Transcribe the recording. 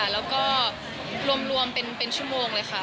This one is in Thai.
แล้วก็รวมเป็นชั่วโมงเลยค่ะ